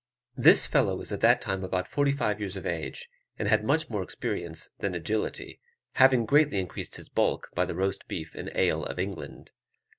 This fellow was at that time about forty five years of age, and had much more experience than agility, having greatly increased his bulk by the roast beef and ale of England.